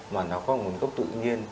mà nó có nguồn gốc tự nhiên